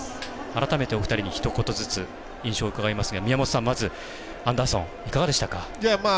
改めて、お二人にひと言ずつ印象を伺いますが宮本さん、まずアンダーソンいかがでしたか？